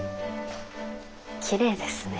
きれいですね。